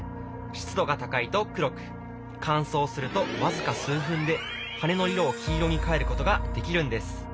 湿度が高いと黒く乾燥するとわずか数分で羽の色を黄色に変えることができるんです。